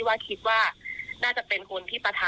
ว่าคิดว่าน่าจะเป็นคนที่ปะทะ